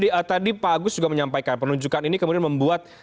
hmm hmm hmm oke bang nedi tadi pak agus juga menyampaikan penunjukan ini kemudian membuat